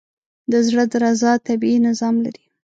د زړه درزا طبیعي نظام لري.